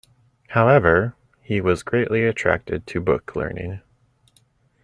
However, he was greatly attracted to book-learning.